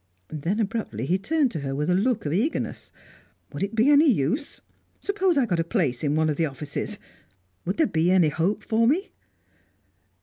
Then abruptly he turned to her with a look of eagerness. "Would it be any use? Suppose I got a place in one of the offices? Would there be any hope for me?"